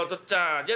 じゃあ何？